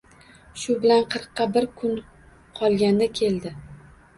Shu bilan qirqqa bir kun qolganda keldi